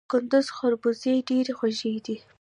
د کندز خربوزې ډیرې خوږې دي